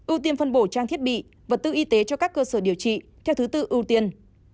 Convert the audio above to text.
ưu tiên phân bổ trang thiết bị vật tư y tế cho các cơ sở điều trị theo thứ tự ưu tiên